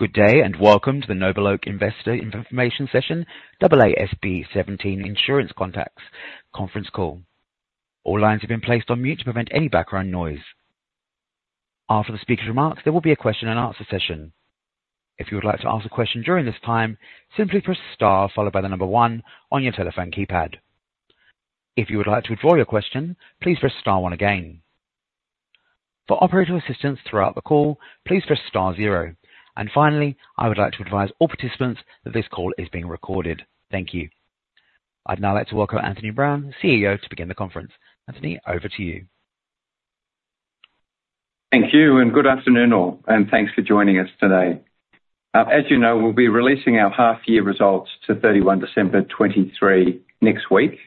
Good day and welcome to the NobleOak Investor Information Session, AASB 17 Insurance Contracts Conference Call. All lines have been placed on mute to prevent any background noise. After the speaker's remarks, there will be a question-and-answer session. If you would like to ask a question during this time, simply press star followed by the number one on your telephone keypad. If you would like to withdraw your question, please press star one again. For operator assistance throughout the call, please press star zero. Finally, I would like to advise all participants that this call is being recorded. Thank you. I'd now like to welcome Anthony Brown, CEO, to begin the conference. Anthony, over to you. Thank you, and good afternoon all, and thanks for joining us today. As you know, we'll be releasing our half-year results to 31 December 2023 next week,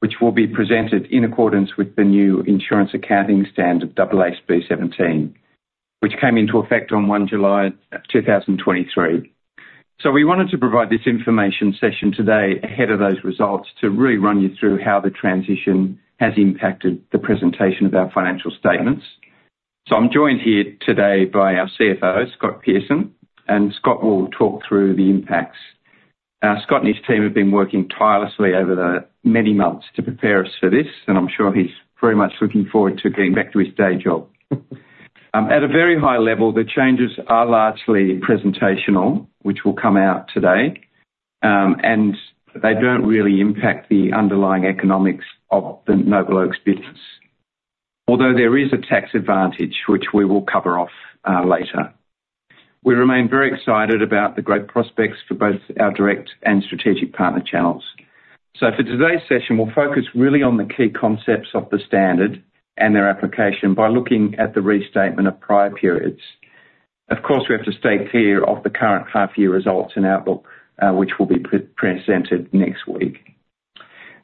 which will be presented in accordance with the new insurance accounting standard, AASB 17, which came into effect on 1 July 2023. So we wanted to provide this information session today ahead of those results to really run you through how the transition has impacted the presentation of our financial statements. So I'm joined here today by our CFO, Scott Pearson, and Scott will talk through the impacts. Scott and his team have been working tirelessly over the many months to prepare us for this, and I'm sure he's very much looking forward to getting back to his day job. At a very high level, the changes are largely presentational, which will come out today, and they don't really impact the underlying economics of the NobleOak's business, although there is a tax advantage which we will cover off later. We remain very excited about the great prospects for both our direct and strategic partner channels. For today's session, we'll focus really on the key concepts of the standard and their application by looking at the restatement of prior periods. Of course, we have to stay clear of the current half-year results and outlook, which will be presented next week.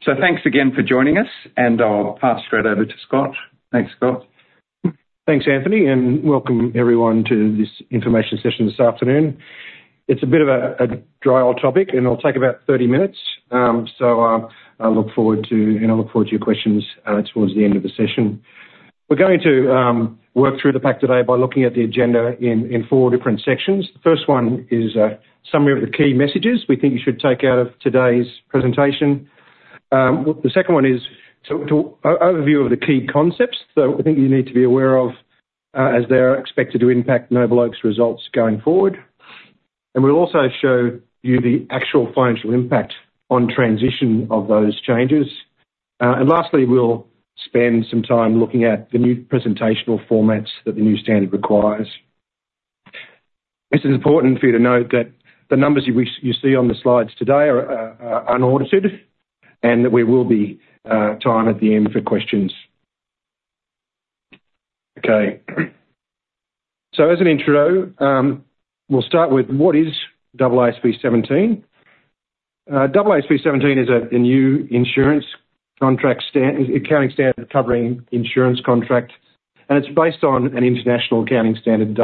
Thanks again for joining us, and I'll pass straight over to Scott. Thanks, Scott. Thanks, Anthony, and welcome everyone to this information session this afternoon. It's a bit of a dry-old topic, and it'll take about 30 minutes, so I look forward to your questions towards the end of the session. We're going to work through the pack today by looking at the agenda in four different sections. The first one is a summary of the key messages we think you should take out of today's presentation. The second one is an overview of the key concepts that we think you need to be aware of as they are expected to impact NobleOak's results going forward. We'll also show you the actual financial impact on transition of those changes. Lastly, we'll spend some time looking at the new presentational formats that the new standard requires. It's important for you to note that the numbers you see on the slides today are unaudited and that we will have time at the end for questions. Okay. So as an intro, we'll start with what is AASB 17. AASB 17 is a new insurance contract accounting standard covering insurance contract, and it's based on an international accounting standard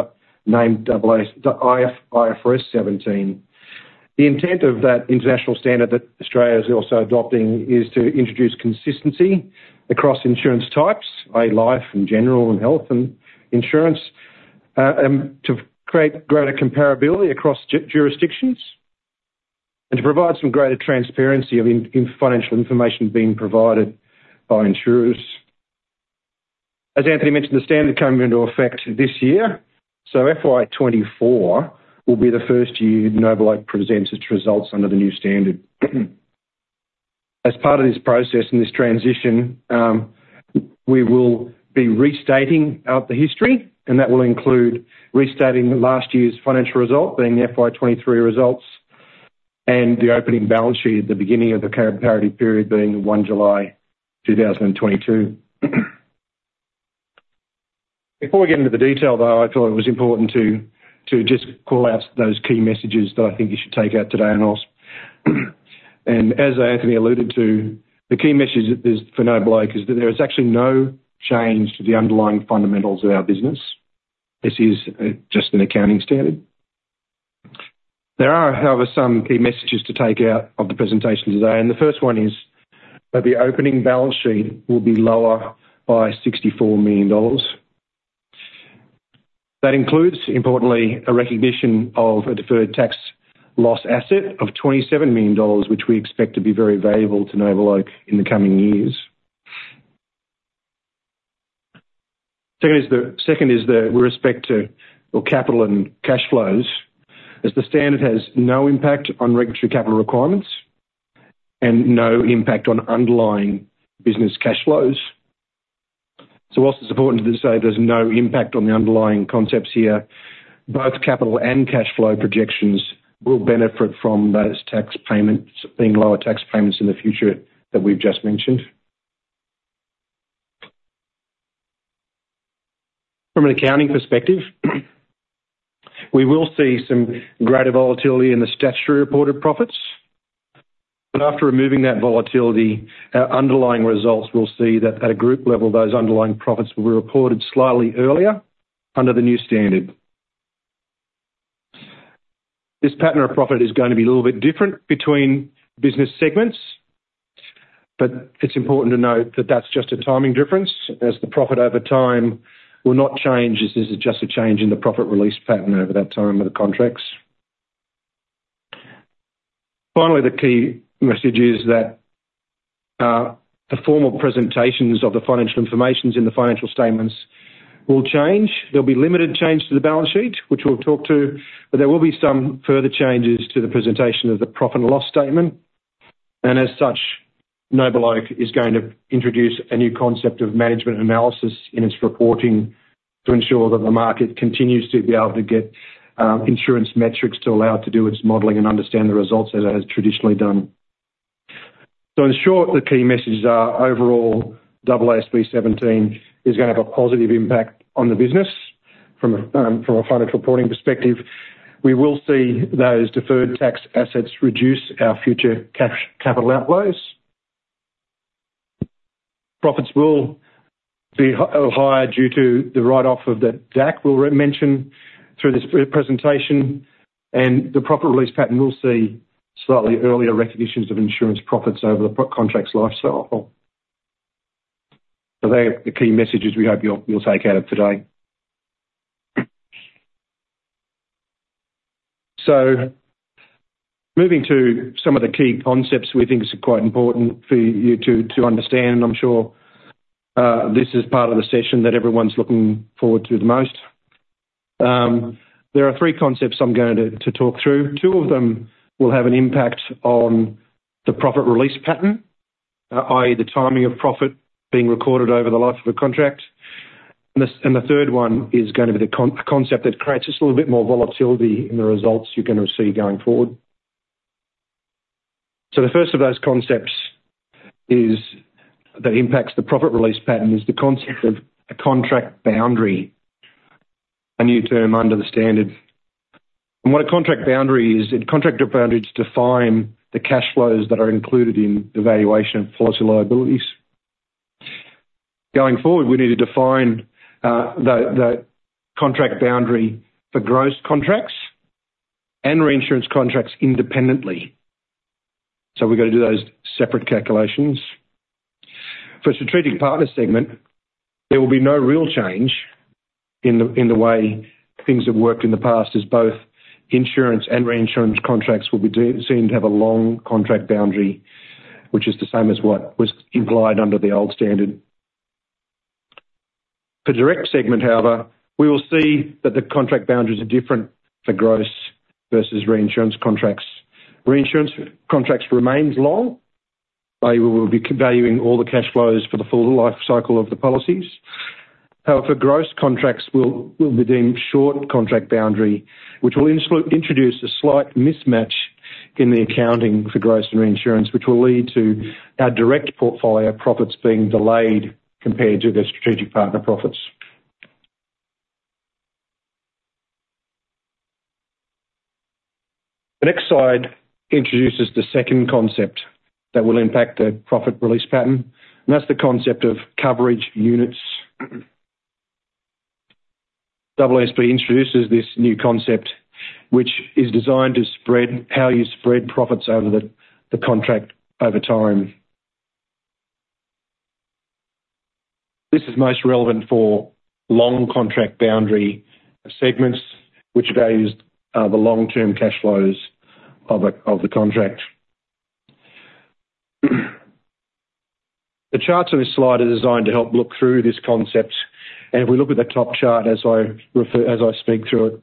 named IFRS 17. The intent of that international standard that Australia is also adopting is to introduce consistency across insurance types, i.e., life and general and health and insurance, and to create greater comparability across jurisdictions and to provide some greater transparency in financial information being provided by insurers. As Anthony mentioned, the standard came into effect this year, so FY2024 will be the first year NobleOak presents its results under the new standard. As part of this process and this transition, we will be restating our history, and that will include restating last year's financial result being the FY23 results and the opening balance sheet at the beginning of the comparative period being 1 July 2022. Before we get into the detail, though, I thought it was important to just call out those key messages that I think you should take out today and also. As Anthony alluded to, the key message for NobleOak is that there is actually no change to the underlying fundamentals of our business. This is just an accounting standard. There are, however, some key messages to take out of the presentation today. And the first one is that the opening balance sheet will be lower by 64 million dollars. That includes, importantly, a recognition of a deferred tax loss asset of 27 million dollars, which we expect to be very valuable to NobleOak in the coming years. Second is that we respect capital and cash flows as the standard has no impact on regulatory capital requirements and no impact on underlying business cash flows. So while it's important to say there's no impact on the underlying concepts here, both capital and cash flow projections will benefit from those tax payments being lower tax payments in the future that we've just mentioned. From an accounting perspective, we will see some greater volatility in the statutory reported profits. But after removing that volatility, underlying results will see that at a group level, those underlying profits will be reported slightly earlier under the new standard. This pattern of profit is going to be a little bit different between business segments, but it's important to note that that's just a timing difference as the profit over time will not change. This is just a change in the profit release pattern over that time of the contracts. Finally, the key message is that the formal presentations of the financial information in the financial statements will change. There'll be limited change to the balance sheet, which we'll talk to, but there will be some further changes to the presentation of the profit and loss statement. As such, NobleOak is going to introduce a new concept of management analysis in its reporting to ensure that the market continues to be able to get insurance metrics to allow it to do its modeling and understand the results as it has traditionally done. So in short, the key messages are overall AASB 17 is going to have a positive impact on the business from a financial reporting perspective. We will see those deferred tax assets reduce our future capital outflows. Profits will be higher due to the write-off of the DAC we'll mention through this presentation, and the profit release pattern will see slightly earlier recognitions of insurance profits over the contract's lifecycle. So they're the key messages we hope you'll take out of today. So moving to some of the key concepts we think are quite important for you to understand, and I'm sure this is part of the session that everyone's looking forward to the most. There are three concepts I'm going to talk through. Two of them will have an impact on the profit release pattern, i.e., the timing of profit being recorded over the life of a contract. The third one is going to be the concept that creates just a little bit more volatility in the results you're going to see going forward. The first of those concepts that impacts the profit release pattern is the concept of a contract boundary, a new term under the standard. And what a contract boundary is, contract boundaries define the cash flows that are included in the valuation of policy liabilities. Going forward, we need to define the contract boundary for gross contracts and reinsurance contracts independently. So we've got to do those separate calculations. For a strategic partner segment, there will be no real change in the way things have worked in the past as both insurance and reinsurance contracts will be seen to have a long contract boundary, which is the same as what was implied under the old standard. For direct segment, however, we will see that the contract boundaries are different for gross versus reinsurance contracts. Reinsurance contracts remain long, i.e., we will be valuing all the cash flows for the full life cycle of the policies. However, gross contracts will be deemed short contract boundary, which will introduce a slight mismatch in the accounting for gross and reinsurance, which will lead to our direct portfolio profits being delayed compared to their strategic partner profits. The next slide introduces the second concept that will impact the profit release pattern, and that's the concept of coverage units. AASB introduces this new concept, which is designed to spread how you spread profits over the contract over time. This is most relevant for long contract boundary segments, which values the long-term cash flows of the contract. The charts on this slide are designed to help look through this concept. If we look at the top chart as I speak through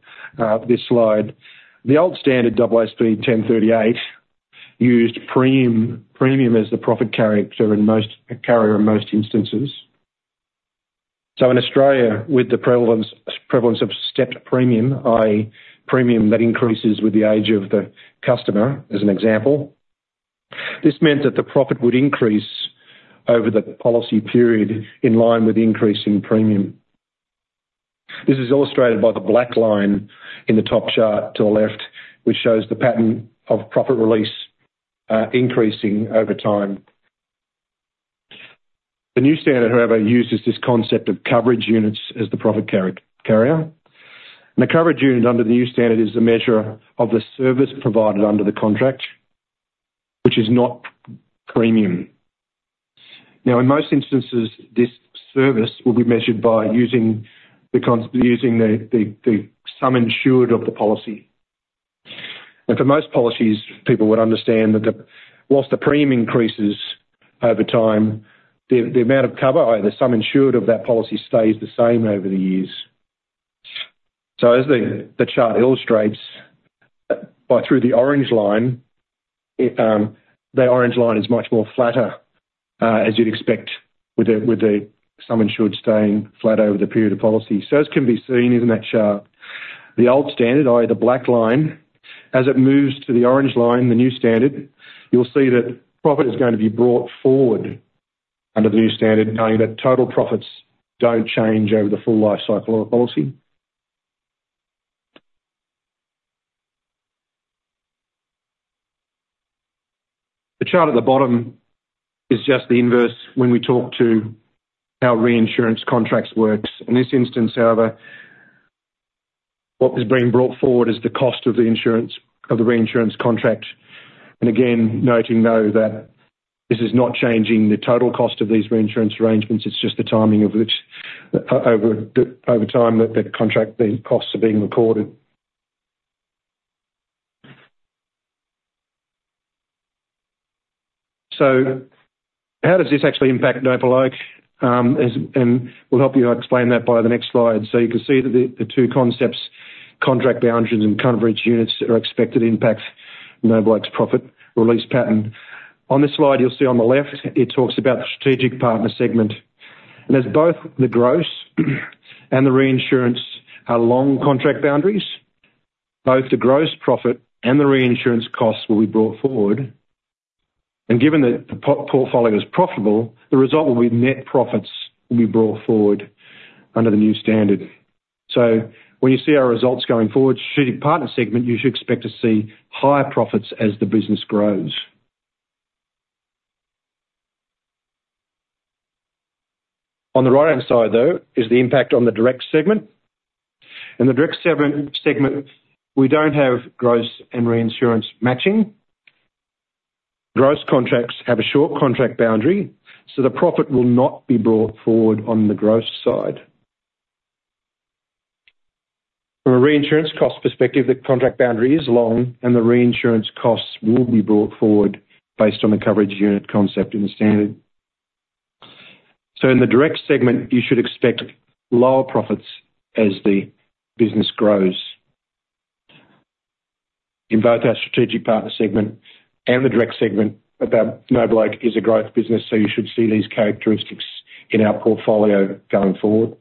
this slide, the old standard AASB 1038 used premium as the profit carrier in most instances. In Australia, with the prevalence of stepped premium, i.e., premium that increases with the age of the customer as an example, this meant that the profit would increase over the policy period in line with increasing premium. This is illustrated by the black line in the top chart to the left, which shows the pattern of profit release increasing over time. The new standard, however, uses this concept of coverage units as the profit carrier. The coverage unit under the new standard is the measure of the service provided under the contract, which is not premium. Now, in most instances, this service will be measured by using the sum insured of the policy. For most policies, people would understand that while the premium increases over time, the amount of cover, i.e., the sum insured of that policy, stays the same over the years. As the chart illustrates, through the orange line, that orange line is much more flatter as you'd expect with the sum insured staying flat over the period of policy. As can be seen in that chart, the old standard, i.e., the black line, as it moves to the orange line, the new standard, you'll see that profit is going to be brought forward under the new standard, knowing that total profits don't change over the full life cycle of a policy. The chart at the bottom is just the inverse when we talk to how reinsurance contracts work. In this instance, however, what is being brought forward is the cost of the reinsurance contract. Again, noting, though, that this is not changing the total cost of these reinsurance arrangements. It's just the timing over time that the contract costs are being recorded. How does this actually impact NobleOak? We'll help you explain that by the next slide. You can see that the two concepts, contract boundaries and coverage units, are expected to impact NobleOak's profit release pattern. On this slide, you'll see on the left, it talks about the strategic partner segment. As both the gross and the reinsurance are long contract boundaries, both the gross profit and the reinsurance costs will be brought forward. Given that the portfolio is profitable, the result will be net profits will be brought forward under the new standard. When you see our results going forward, strategic partner segment, you should expect to see higher profits as the business grows. On the right-hand side, though, is the impact on the direct segment. In the direct segment, we don't have gross and reinsurance matching. Gross contracts have a short contract boundary, so the profit will not be brought forward on the gross side. From a reinsurance cost perspective, the contract boundary is long, and the reinsurance costs will be brought forward based on the coverage unit concept in the standard. So in the direct segment, you should expect lower profits as the business grows. In both our strategic partner segment and the direct segment, NobleOak is a growth business, so you should see these characteristics in our portfolio going forward.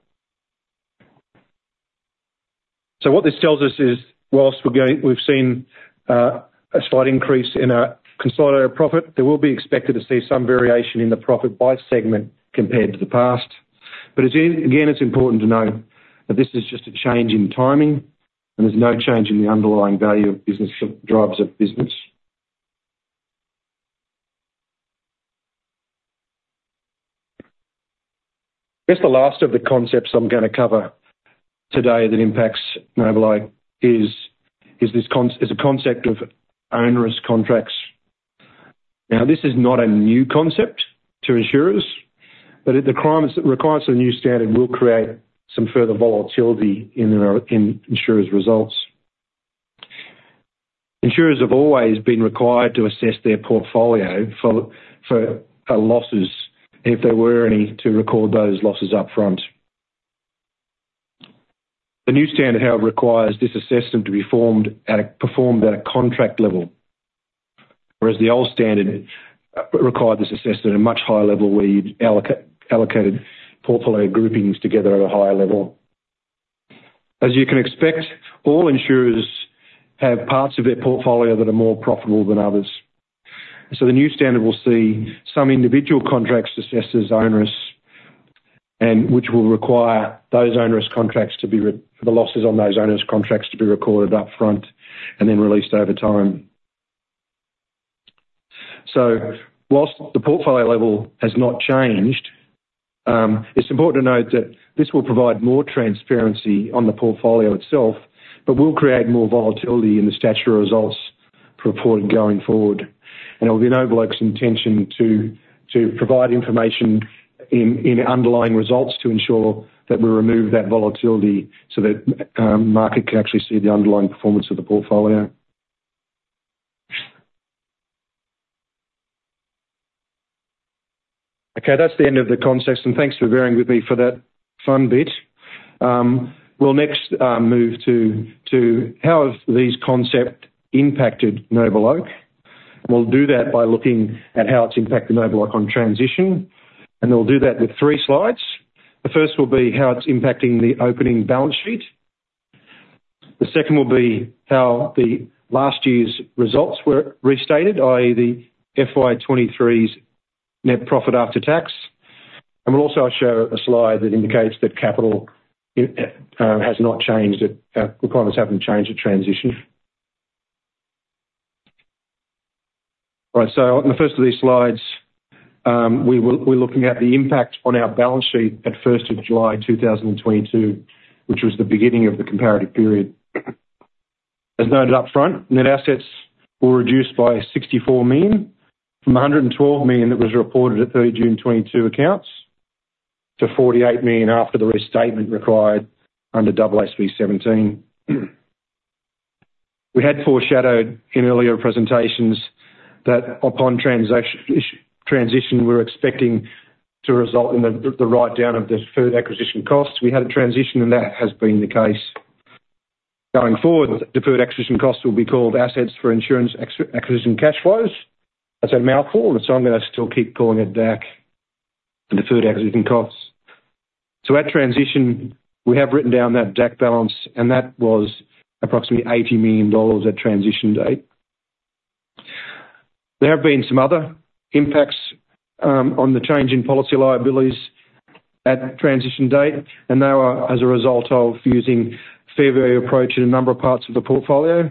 So what this tells us is whilst we've seen a slight increase in our consolidated profit, there will be expected to see some variation in the profit by segment compared to the past. But again, it's important to note that this is just a change in timing, and there's no change in the underlying value of business drivers of business. I guess the last of the concepts I'm going to cover today that impacts NobleOak is the concept of onerous contracts. Now, this is not a new concept to insurers, but the requirements of the new standard will create some further volatility in insurers' results. Insurers have always been required to assess their portfolio for losses, if there were any, to record those losses upfront. The new standard, however, requires this assessment to be performed at a contract level, whereas the old standard required this assessment at a much higher level where you'd allocated portfolio groupings together at a higher level. As you can expect, all insurers have parts of their portfolio that are more profitable than others. So the new standard will see some individual contracts assessed as onerous, which will require those onerous contracts to be the losses on those onerous contracts to be recorded upfront and then released over time. So whilst the portfolio level has not changed, it's important to note that this will provide more transparency on the portfolio itself, but will create more volatility in the statutory results reported going forward. It will be NobleOak's intention to provide information in underlying results to ensure that we remove that volatility so that market can actually see the underlying performance of the portfolio. Okay. That's the end of the concepts. Thanks for bearing with me for that fun bit. We'll next move to how have these concepts impacted NobleOak. We'll do that by looking at how it's impacted NobleOak on transition. We'll do that with three slides. The first will be how it's impacting the opening balance sheet. The second will be how the last year's results were restated, i.e., the FY23's net profit after tax. We'll also show a slide that indicates that capital has not changed. Requirements haven't changed at transition. All right. So on the first of these slides, we're looking at the impact on our balance sheet at 1st of July 2022, which was the beginning of the comparative period. As noted upfront, net assets were reduced by 64 million from 112 million that was reported at 30 June 2022 accounts to 48 million after the restatement required under AASB 17. We had foreshadowed in earlier presentations that upon transition, we were expecting to result in the write-down of the deferred acquisition costs. We had a transition, and that has been the case. Going forward, deferred acquisition costs will be called assets for insurance acquisition cash flows. That's a mouthful, and so I'm going to still keep calling it DAC, the deferred acquisition costs. So at transition, we have written down that DAC balance, and that was approximately 80 million dollars at transition date. There have been some other impacts on the change in policy liabilities at transition date, and they were as a result of using a fair value approach in a number of parts of the portfolio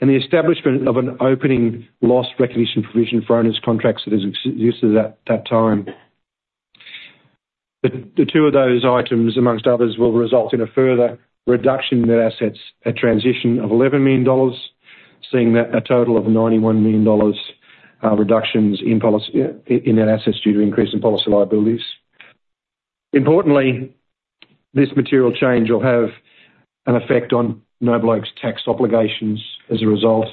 and the establishment of an opening loss recognition provision for onerous contracts that existed at that time. The two of those items, among others, will result in a further reduction in net assets at transition of 11 million dollars, seeing a total of 91 million dollars reductions in net assets due to increase in policy liabilities. Importantly, this material change will have an effect on NobleOak's tax obligations as a result.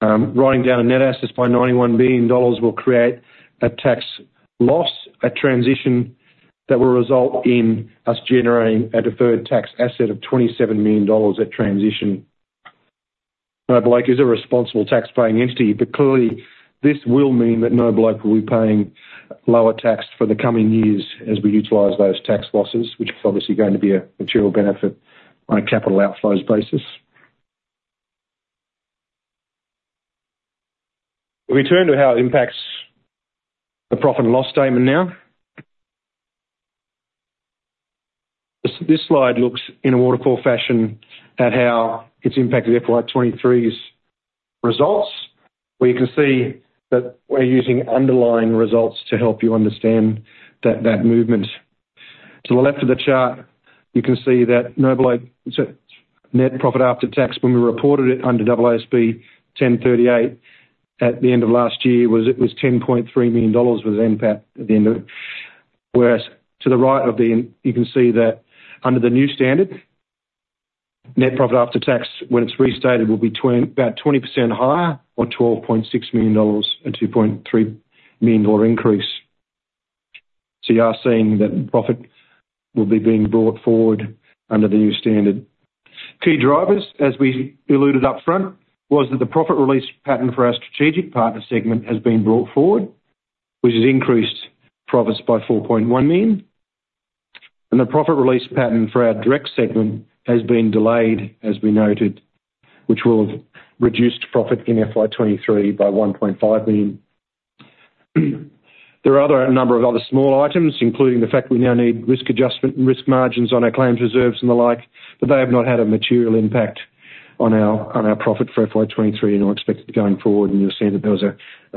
Writing down a net asset by 91 million dollars will create a tax loss at transition that will result in us generating a deferred tax asset of 27 million dollars at transition. NobleOak is a responsible taxpaying entity, but clearly, this will mean that NobleOak will be paying lower tax for the coming years as we utilize those tax losses, which is obviously going to be a material benefit on a capital outflows basis. We'll return to how it impacts the profit and loss statement now. This slide looks in a waterfall fashion at how it's impacted FY23's results, where you can see that we're using underlying results to help you understand that movement. To the left of the chart, you can see that NobleOak's net profit after tax, when we reported it under AASB 1038 at the end of last year, it was 10.3 million dollars with NPAT at the end of it. Whereas to the right of the chart, you can see that under the new standard, net profit after tax when it's restated will be about 20% higher, or 12.6 million dollars, a 2.3 million increase. So you are seeing that profit will be being brought forward under the new standard. Key drivers, as we alluded upfront, was that the profit release pattern for our strategic partner segment has been brought forward, which has increased profits by 4.1 million. And the profit release pattern for our direct segment has been delayed, as we noted, which will have reduced profit in FY23 by 1.5 million. There are a number of other small items, including the fact we now need risk adjustment and risk margins on our claims reserves and the like, but they have not had a material impact on our profit for FY 2023 and are expected going forward. You'll see that there was a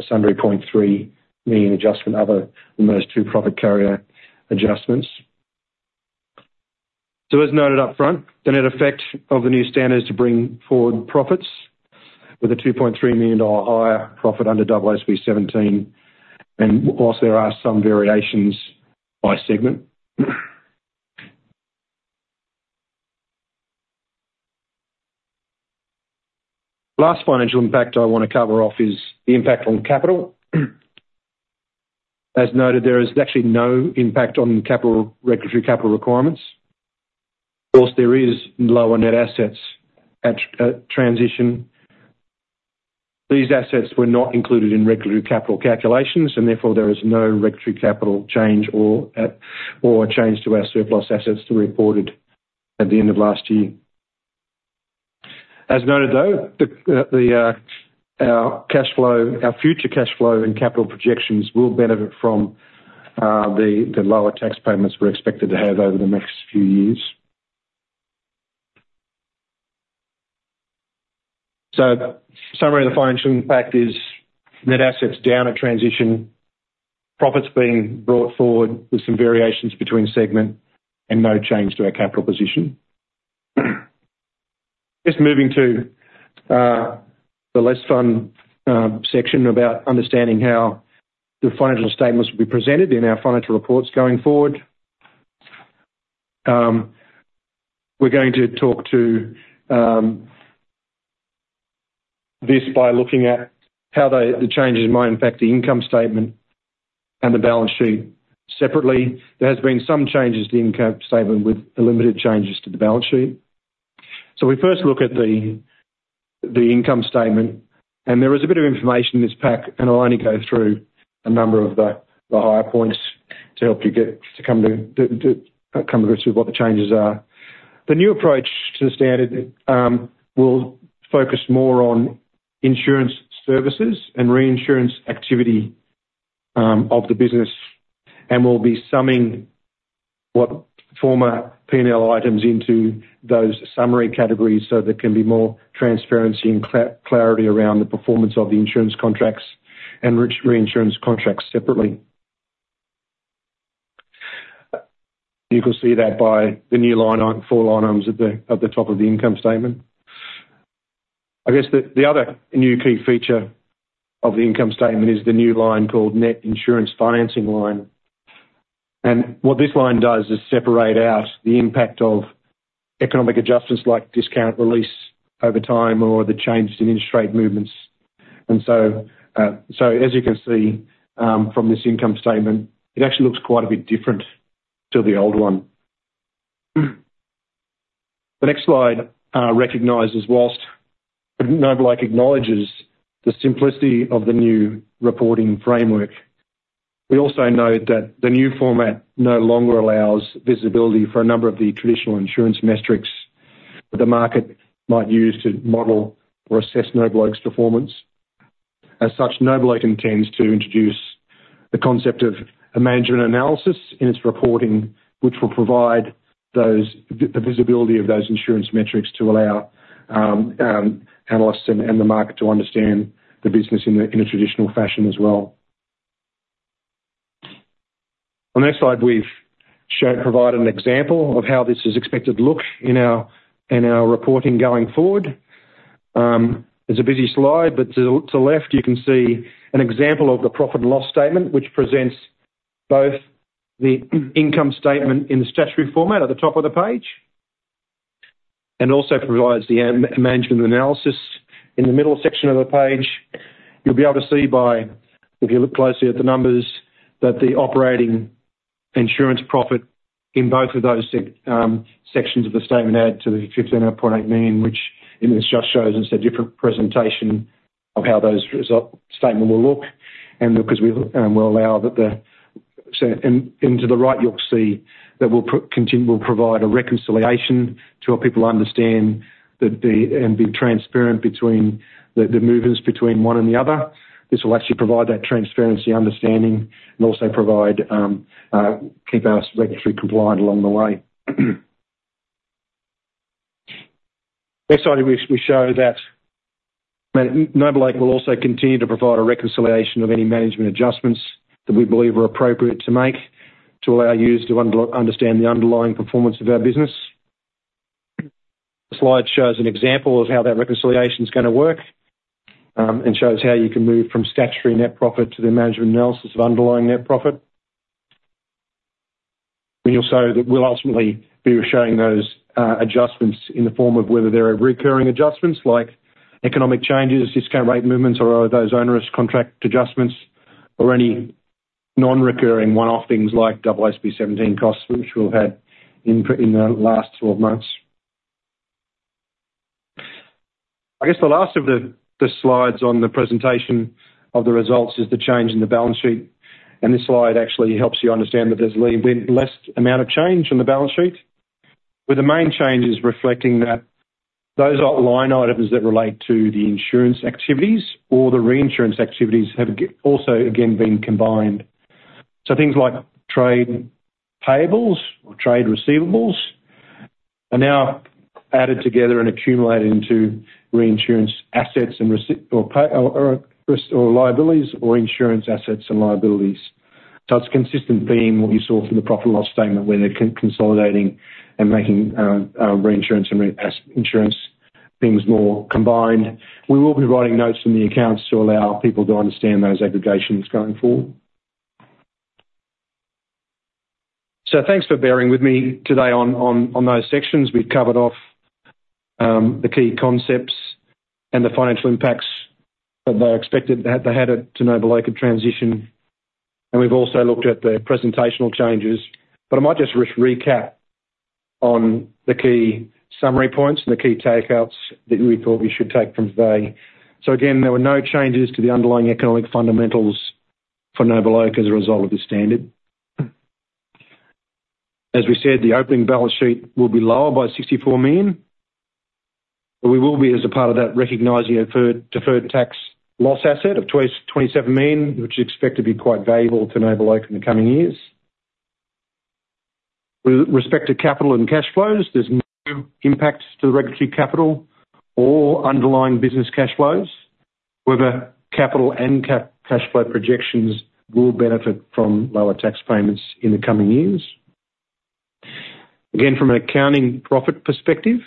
sundry 0.3 million adjustment other than those two profit carrier adjustments. So as noted upfront, the net effect of the new standards to bring forward profits with a 2.3 million dollar higher profit under AASB 17, and whilst there are some variations by segment. Last financial impact I want to cover off is the impact on capital. As noted, there is actually no impact on regulatory capital requirements. While there is lower net assets at transition, these assets were not included in regulatory capital calculations, and therefore, there is no regulatory capital change or a change to our surplus assets that were reported at the end of last year. As noted, though, our future cash flow and capital projections will benefit from the lower tax payments we're expected to have over the next few years. So, summary of the financial impact is net assets down at transition, profits being brought forward with some variations between segment, and no change to our capital position. Just moving to the less fun section about understanding how the financial statements will be presented in our financial reports going forward. We're going to talk to this by looking at how the changes might impact the income statement and the balance sheet separately. There has been some changes to the income statement with limited changes to the balance sheet. So we first look at the income statement. And there is a bit of information in this pack, and I'll only go through a number of the higher points to help you get to come to the conclusion of what the changes are. The new approach to the standard will focus more on insurance services and reinsurance activity of the business. And we'll be summing what former P&L items into those summary categories so there can be more transparency and clarity around the performance of the insurance contracts and reinsurance contracts separately. You can see that by the new line item four line items at the top of the income statement. I guess the other new key feature of the income statement is the new line called net insurance financing line. What this line does is separate out the impact of economic adjustments like discount release over time or the changes in interest rate movements. So as you can see from this income statement, it actually looks quite a bit different to the old one. The next slide recognizes while NobleOak acknowledges the simplicity of the new reporting framework, we also note that the new format no longer allows visibility for a number of the traditional insurance metrics that the market might use to model or assess NobleOak's performance. As such, NobleOak intends to introduce the concept of a management analysis in its reporting, which will provide the visibility of those insurance metrics to allow analysts and the market to understand the business in a traditional fashion as well. On the next slide, we've provided an example of how this is expected to look in our reporting going forward. It's a busy slide, but to the left, you can see an example of the profit and loss statement, which presents both the income statement in the statutory format at the top of the page and also provides the management analysis in the middle section of the page. You'll be able to see by if you look closely at the numbers that the operating insurance profit in both of those sections of the statement add to the 15.8 million, which it just shows in its different presentation of how those statements will look because we'll allow that the and to the right, you'll see that we'll provide a reconciliation to help people understand and be transparent between the movements between one and the other. This will actually provide that transparency, understanding, and also keep us regulatory compliant along the way. Next slide, we show that NobleOak will also continue to provide a reconciliation of any management adjustments that we believe are appropriate to make to allow users to understand the underlying performance of our business. The slide shows an example of how that reconciliation's going to work and shows how you can move from statutory net profit to the management analysis of underlying net profit. We'll ultimately be showing those adjustments in the form of whether there are recurring adjustments like economic changes, discount rate movements, or are those onerous contract adjustments or any non-recurring one-off things like AASB 17 costs, which we've had in the last 12 months. I guess the last of the slides on the presentation of the results is the change in the balance sheet. This slide actually helps you understand that there's been less amount of change on the balance sheet, with the main changes reflecting that those line items that relate to the insurance activities or the reinsurance activities have also, again, been combined. Things like trade payables or trade receivables are now added together and accumulated into reinsurance assets or liabilities or insurance assets and liabilities. It's a consistent theme, what you saw from the profit and loss statement, where they're consolidating and making reinsurance and insurance things more combined. We will be writing notes in the accounts to allow people to understand those aggregations going forward. Thanks for bearing with me today on those sections. We've covered off the key concepts and the financial impacts that they had to NobleOak at transition. We've also looked at the presentational changes. I might just recap on the key summary points and the key takeouts that we thought we should take from today. Again, there were no changes to the underlying economic fundamentals for NobleOak as a result of this standard. As we said, the opening balance sheet will be lower by 64 million. But we will be, as a part of that, recognising a deferred tax loss asset of 27 million, which is expected to be quite valuable to NobleOak in the coming years. With respect to capital and cash flows, there's no impact to the regulatory capital or underlying business cash flows. However, capital and cash flow projections will benefit from lower tax payments in the coming years. Again, from an accounting profit perspective,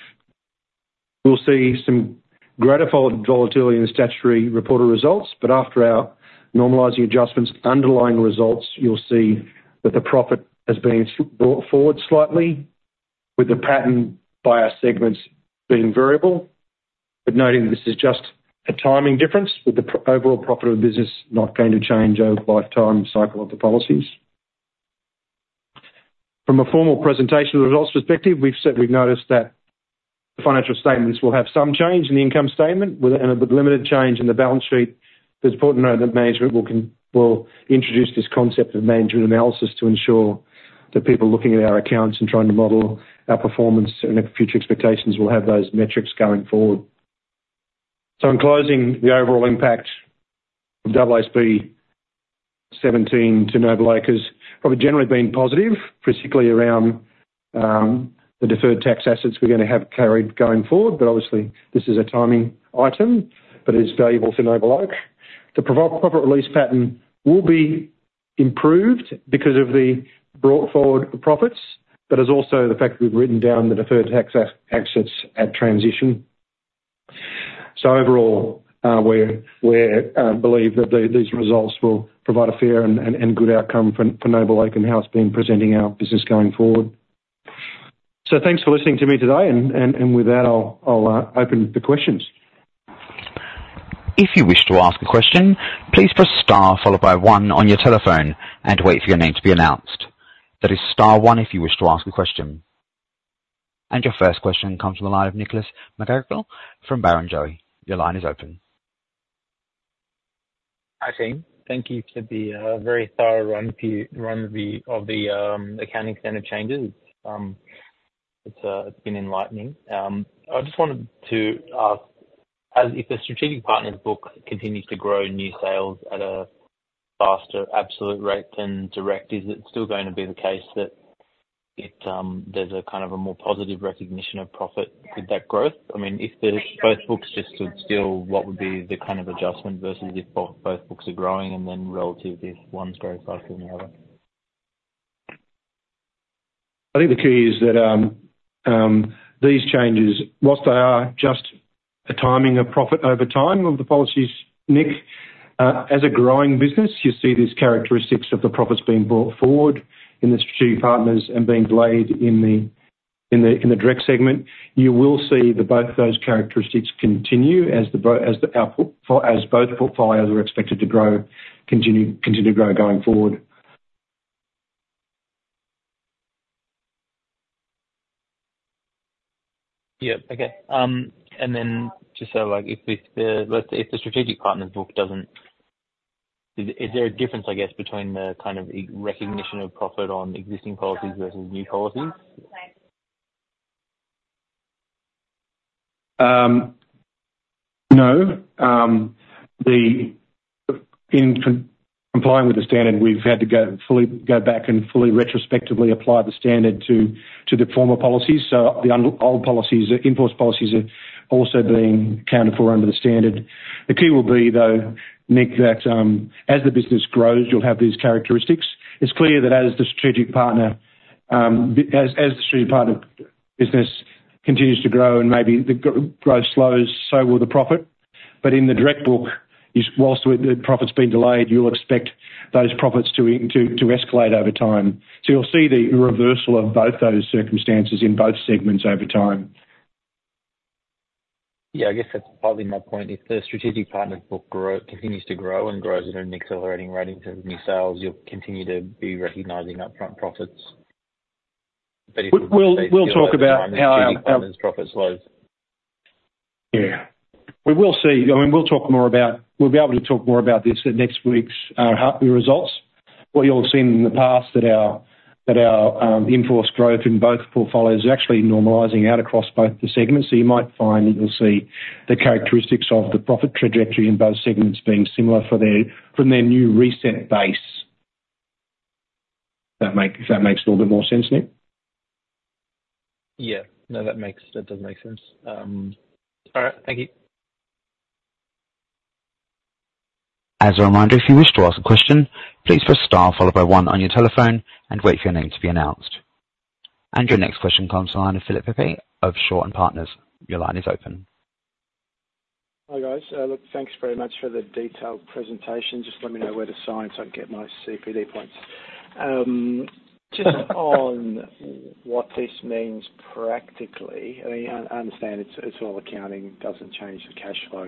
we'll see some greater volatility in the statutory reported results. After our normalizing adjustments, underlying results, you'll see that the profit has been brought forward slightly, with the pattern by our segments being variable. Noting this is just a timing difference, with the overall profit of the business not going to change over the lifetime cycle of the policies. From a formal presentation of the results perspective, we've noticed that the financial statements will have some change in the income statement and a limited change in the balance sheet. It's important to note that management will introduce this concept of management analysis to ensure that people looking at our accounts and trying to model our performance and future expectations will have those metrics going forward. In closing, the overall impact of AASB 17 to NobleOak has probably generally been positive, particularly around the deferred tax assets we're going to have carried going forward. But obviously, this is a timing item, but it is valuable for NobleOak. The profit release pattern will be improved because of the brought forward profits, but also the fact that we've written down the deferred tax assets at transition. So overall, we believe that these results will provide a fair and good outcome for NobleOak and how it's been presenting our business going forward. So thanks for listening to me today. And with that, I'll open for questions. If you wish to ask a question, please press star followed by one on your telephone and wait for your name to be announced. That is star one if you wish to ask a question. And your first question comes from the line of Nick McGarrigle from Barrenjoey. Your line is open. Hi, Same. Thank you for the very thorough run of the accounting standard changes. It's been enlightening. I just wanted to ask, if the strategic partner's book continues to grow new sales at a faster, absolute rate than direct, is it still going to be the case that there's kind of a more positive recognition of profit with that growth? I mean, if both books just stood still, what would be the kind of adjustment versus if both books are growing and then relative if one's growing faster than the other? I think the key is that these changes, while they are just a timing of profit over time of the policies, Nick, as a growing business, you see these characteristics of the profits being brought forward in the strategic partners and being delayed in the direct segment. You will see that both those characteristics continue as both portfolios are expected to continue to grow going forward. Yep. Okay. And then, just so, if the strategic partner's book doesn't—is there a difference, I guess, between the kind of recognition of profit on existing policies versus new policies? No. In complying with the standard, we've had to fully go back and fully retrospectively apply the standard to the former policies. So the old policies, the in-force policies, are also being accounted for under the standard. The key will be, though, Nick, that as the business grows, you'll have these characteristics. It's clear that as the strategic partner as the strategic partner business continues to grow and maybe the growth slows, so will the profit. But in the direct book, whilst the profit's been delayed, you'll expect those profits to escalate over time. So you'll see the reversal of both those circumstances in both segments over time. Yeah. I guess that's probably my point. If the strategic partner's book continues to grow and grows at an accelerating rate in terms of new sales, you'll continue to be recognizing upfront profits. But if the strategic partner's profit slows? Yeah. We will see. I mean, we'll talk more about we'll be able to talk more about this at next week's results. What you'll have seen in the past that our in-force growth in both portfolios is actually normalizing out across both the segments. So you might find that you'll see the characteristics of the profit trajectory in both segments being similar from their new reset base. If that makes a little bit more sense, Nick? Yeah. No, that does make sense. All right. Thank you. As a reminder, if you wish to ask a question, please press star followed by one on your telephone and wait for your name to be announced. Your next question comes to the line of Philip Pepe of Shaw and Partners. Your line is open. Hi, guys. Look, thanks very much for the detailed presentation. Just let me know where to sign so I can get my CPD points. Just on what this means practically, I mean, I understand it's all accounting. It doesn't change the cash flow.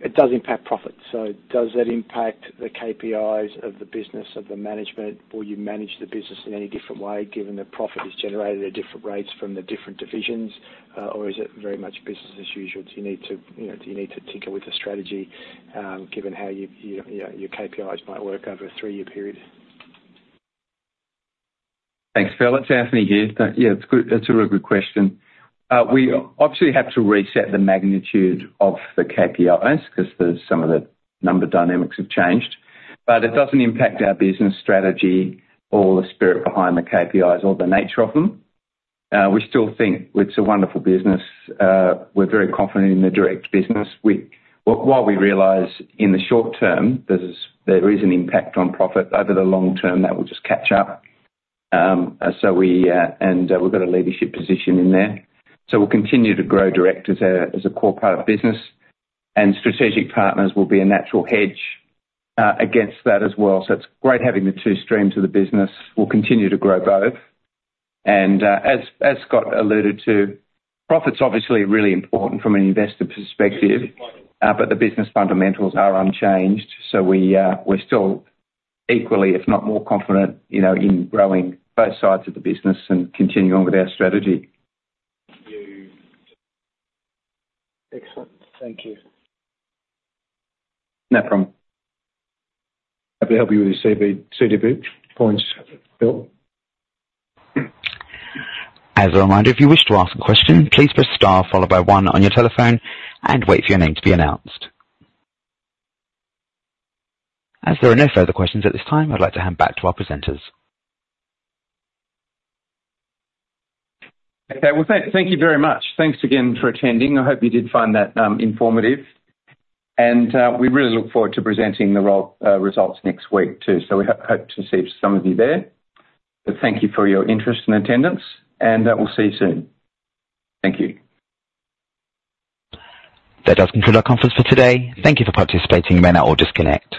It does impact profit. So does that impact the KPIs of the business, of the management? Will you manage the business in any different way given that profit is generated at different rates from the different divisions? Or is it very much business as usual? Do you need to tinker with the strategy given how your KPIs might work over a three-year period? Thanks, Phil. It's Anthony here. Yeah, it's a really good question. We obviously have to reset the magnitude of the KPIs because some of the number dynamics have changed. But it doesn't impact our business strategy or the spirit behind the KPIs or the nature of them. We still think it's a wonderful business. We're very confident in the direct business. While we realize in the short term there is an impact on profit, over the long term, that will just catch up. And we've got a leadership position in there. So we'll continue to grow direct as a core part of business. And strategic partners will be a natural hedge against that as well. So it's great having the two streams of the business. We'll continue to grow both. And as Scott alluded to, profit's obviously really important from an investor perspective. But the business fundamentals are unchanged. So we're still equally, if not more confident, in growing both sides of the business and continuing on with our strategy. Excellent. Thank you. No problem. Happy to help you with the CPD points, Phil. As a reminder, if you wish to ask a question, please press star followed by one on your telephone and wait for your name to be announced. As there are no further questions at this time, I'd like to hand back to our presenters. Okay. Well, thank you very much. Thanks again for attending. I hope you did find that informative. We really look forward to presenting the results next week too. So we hope to see some of you there. Thank you for your interest and attendance. We'll see you soon. Thank you. That does conclude our conference for today. Thank you for participating. You may now all disconnect.